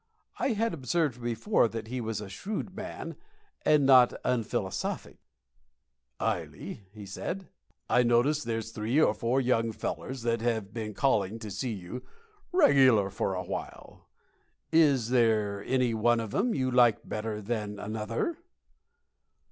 I had observed before that he was a shrewd man, and not unphilosophic. "Ily," said he, "I notice there's three or four young fellers that have been callin' to see you regular for quite a while. Is there any one of 'em you like better than another?"